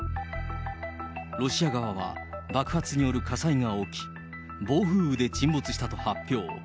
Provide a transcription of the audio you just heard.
ロシア側は、爆発による火災が起き、暴風雨で沈没したと発表。